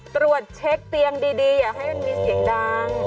ตรวจเช็คเตียงดีอย่าให้มันมีเสียงดัง